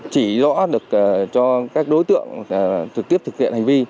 chỉ rõ được cho các đối tượng trực tiếp thực hiện hành vi